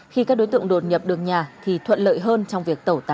khi các đối tượng đột nhập được nhà thì thuận lợi hơn trong việc tẩu tán tăng vật